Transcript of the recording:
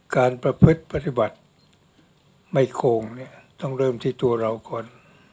ประพฤติปฏิบัติไม่โคงเนี่ยต้องเริ่มที่ตัวเราก่อน